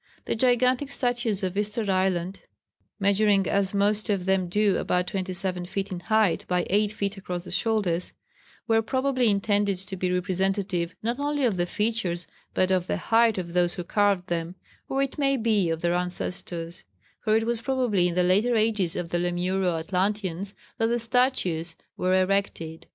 The gigantic statues of Easter Island measuring as most of them do about 27 feet in height by 8 feet across the shoulders were probably intended to be representative not only of the features, but of the height of those who carved them, or it may be of their ancestors, for it was probably in the later ages of the Lemuro Atlanteans that the statues were erected.